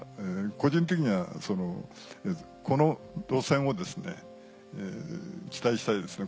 個人的にはこの路線をですね期待したいですね